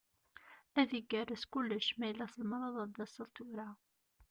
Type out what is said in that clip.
Ad igerrez kullec ma yella tzemreḍ ad d-taseḍ tura.